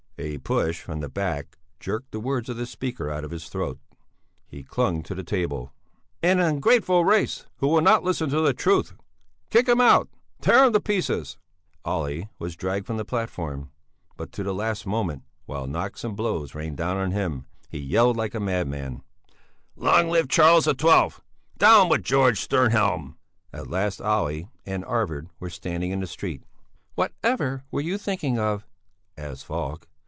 A push from the back jerked the words of the speaker out of his throat. He clung to the table: "And an ungrateful race who will not listen to the truth...." "Kick him out! Tear him to pieces!" Olle was dragged from the platform; but to the last moment, while knocks and blows rained down on him, he yelled like a madman: "Long live Charles XII! Down with George Stjernhjelm!" At last Olle and Arvid were standing in the street. "Whatever were you thinking of?" asked Falk.